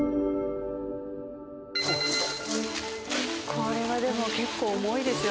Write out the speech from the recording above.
これはでも結構重いですよね。